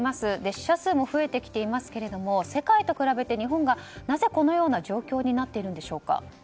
死者数も増えてきていますが世界と比べて日本がなぜこのような状況になっているんでしょうか。